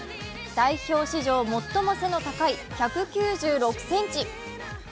代表史上最も背の高い１９６ｃｍ。